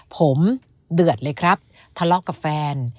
ผมเดือดเลยครับทะเลาะกับแฟน